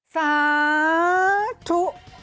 สาธุ